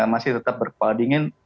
masih tetap berkepal dingin